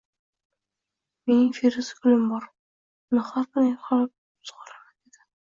— Mening feruza gulim bor, uni har kuni ertalab sug‘oraman, — dedi u.